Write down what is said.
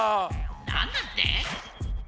なんだって？